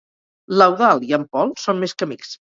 L'Eudald i en Pol són més que amics.